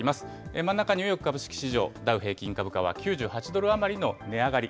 真ん中、ニューヨーク株式市場、ダウ平均株価は９８ドル余りの値上がり。